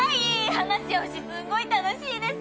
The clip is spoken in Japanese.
話合うしすんごい楽しいです！